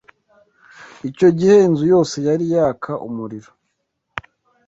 Icyo gihe, inzu yose yari yaka umuriro.